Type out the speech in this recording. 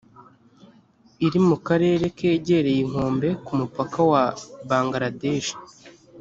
iri mu karere kegereye inkombe ku mupaka wa bangaladeshi